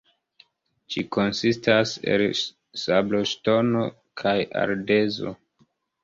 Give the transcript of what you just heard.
Ĝi konsistas el sabloŝtono kaj ardezo.